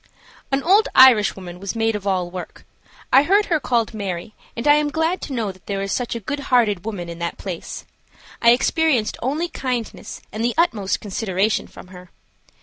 An old Irishwoman was maid of all work. I heard her called Mary, and I am glad to know that there is such a good hearted woman in that place. I experienced only kindness and the utmost consideration from her.